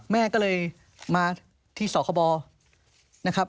แม่ก็เลยมาที่เสาร์บอล